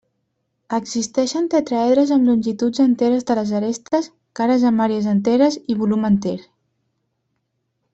Existeixen tetràedres amb longituds enteres de les arestes, cares amb àrees enteres, i volum enter.